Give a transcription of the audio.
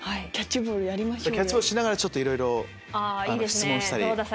キャッチボールしながらいろいろ質問したり。